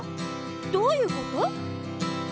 どういうこと？